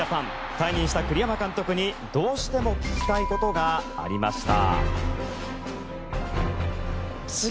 退任した栗山監督にどうしても聞きたいことがありました。